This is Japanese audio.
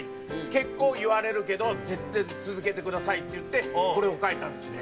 「結構言われるけど絶対続けてください」っていってこれを書いたんですね。